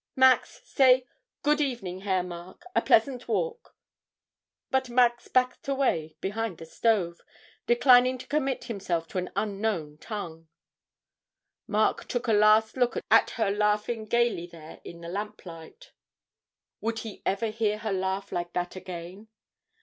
'Max, say "Good evening, Herr Mark; a pleasant walk,"' but Max backed away behind the stove, declining to commit himself to an unknown tongue. Mark took a last look at her laughing gaily there in the lamplight. Would he ever hear her laugh like that again?